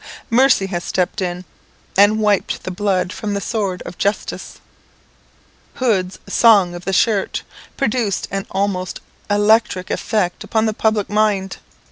Mercy has stepped in, and wiped the blood from the sword of justice. Hood's "Song of the Shirt" produced an almost electric effect upon the public mind.